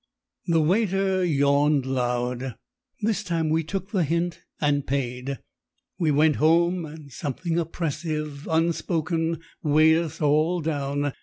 The waiter yawned loud. This time we took the hint and paid. We went home, and something oppressive, unspoken, weighed us all down.